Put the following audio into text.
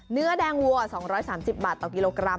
เนื้อแดงวัว๒๓๐บาทต่อกิโลกรัม